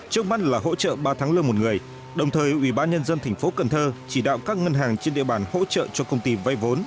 trong mắt là hỗ trợ ba tháng lương một người đồng thời ubnd tp cần thơ chỉ đạo các ngân hàng trên địa bàn hỗ trợ cho công ty vay vốn